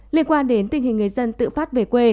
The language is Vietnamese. liên quan đến tình hình người dân tự phát về quê